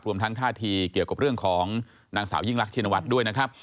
ทั้งท่าทีเกี่ยวกับเรื่องของนางสาวยิ่งรักชินวัฒน์ด้วยนะครับ